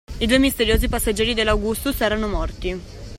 I due misteriosi passeggeri dell’Augustus erano morti;